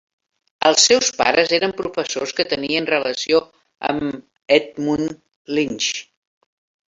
Els seus pares eren professors que tenien relació amb Edmund Leach.